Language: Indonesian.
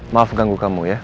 maaf ganggu kamu ya